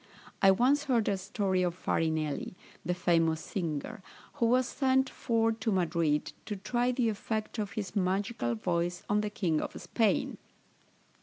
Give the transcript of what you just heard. I once heard a story of Farinelli, the famous singer, who was sent for to Madrid, to try the effect of his magical voice on the king of Spain.